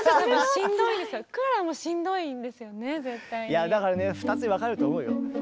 いやだからね２つに分かれると思うよ。